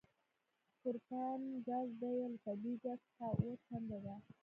د پروپان ګاز بیه له طبیعي ګاز څخه اوه چنده ده